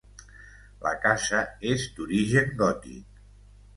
La casa és d'origen gòtic.